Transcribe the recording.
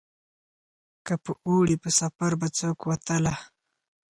که په اوړي په سفر به څوک وتله